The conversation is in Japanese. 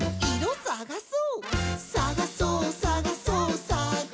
「さがそうさがそうさがそう」